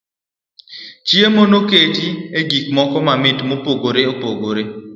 Chiemo no noket e gik moko mamit mopogore opogore.